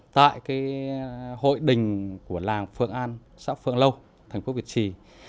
tại cái hội đình của làng phượng an xã phượng lâu thành phố việt trì